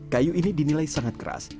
kayu ini dinilai sangat keras